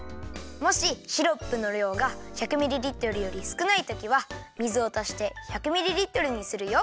もしシロップのりょうが１００ミリリットルよりすくないときは水をたして１００ミリリットルにするよ。